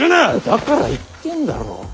だから言ってんだろ。